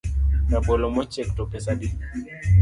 Rabolo mochiek to pesa adi?